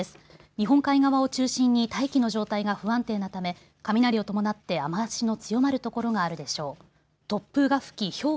日本海側を中心に大気の状態が不安定なため雷を伴って雨足の強まる所があるでしょう。